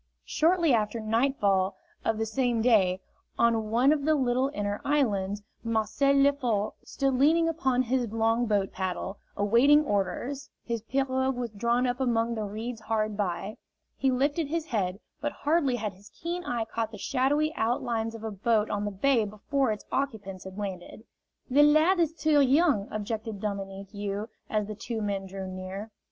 Shortly after nightfall of the same day, on one of the little inner islands, Marcel Lefort stood leaning upon his long boat paddle, awaiting orders; his pirogue was drawn up among the reeds hard by. He lifted his head, but hardly had his keen eye caught the shadowy outlines of a boat on the bay before its occupants had landed. "The lad is too young," objected Dominique You, as the two men drew near.